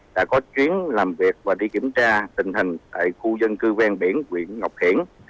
đã có chuyến làm việc và đi kiểm tra tình hình tại khu dân cư ven biển quyện ngọc hiển